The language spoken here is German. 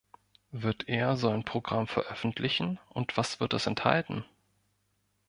Wird er so ein Programm veröffentlichen und was wird es enthalten?